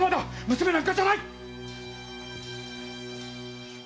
娘なんかじゃないっ‼